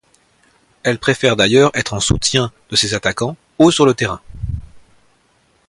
Elle préfère d'ailleurs être en soutien de ses attaquants, haut sur le terrain'.